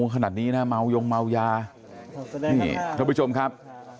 ขนาดนี้นะเมายงเมายานี่ท่านผู้ชมครับ